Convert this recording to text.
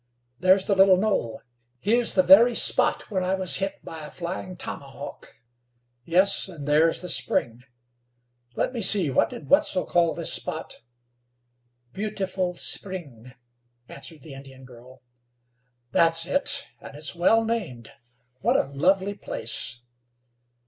There's the little knoll; here's the very spot where I was hit by a flying tomahawk. Yes, and there's the spring. Let me see, what did Wetzel call this spot?" "Beautiful Spring," answered the Indian girl. "That's it, and it's well named. What a lovely place!"